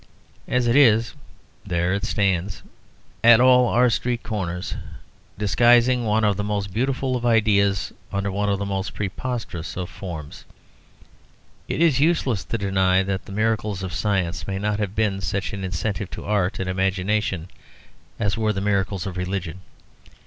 As it is, there it stands at all our street corners, disguising one of the most beautiful of ideas under one of the most preposterous of forms. It is useless to deny that the miracles of science have not been such an incentive to art and imagination as were the miracles of religion.